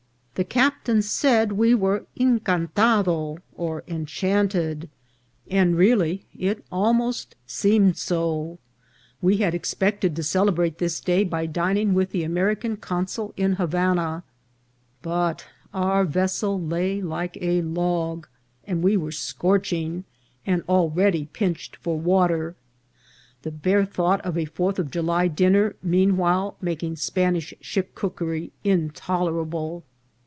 The captain said we were incantado or enchanted, and really it almost seem 462 INCIDENTS OF TRAVEL. ed so. We had expected to celebrate this day by dining with the American consul in Havana ; but our vessel lay like a log, and we were scorching, and already pinched for water ; the bare thought of a Fourth of July dinner meanwhile making Spanish ship cookery intolerable.